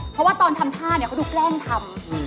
เพราะว่าตอนทำท่าเนี่ยเขาดูแกล้งทำ